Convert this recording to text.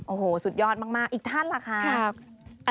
โอ้โหสุดยอดมากอีกท่านล่ะค่ะ